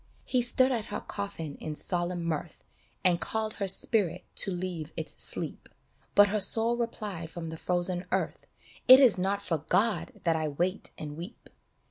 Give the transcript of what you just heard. He stood at her coffin in solemn mirth And called her spirit to leave its sleep, But her soul replied from the frozen earth, " It is not for God that I wait and weep